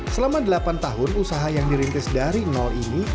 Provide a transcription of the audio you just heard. selama delapan tahun usaha yang dirintis dari nol ini